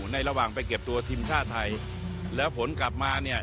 ระหว่างไปเก็บตัวทีมชาติไทยแล้วผลกลับมาเนี่ย